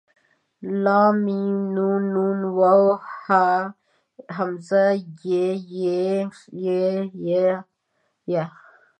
ل م ن ڼ و ه ء ی ي ې ۍ ئ